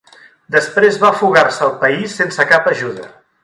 Després va fugar-se al país sense cap ajuda.